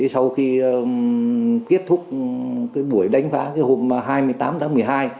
sau khi kết thúc buổi đánh phá hôm hai mươi tám tháng một mươi hai